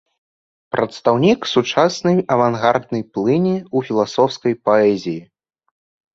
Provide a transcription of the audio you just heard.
Прадстаўнік сучаснай авангарднай плыні ў філасофскай паэзіі.